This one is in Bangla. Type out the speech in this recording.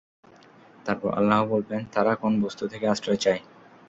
তারপর আল্লাহ বলবেন, তারা কোন বস্তু থেকে আশ্রয় চায়?